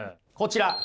こちら。